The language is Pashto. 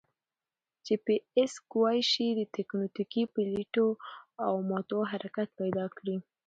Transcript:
جي پي ایس کوای شي د تکوتنیکي پلیټو او ماتو حرکت پیدا کړي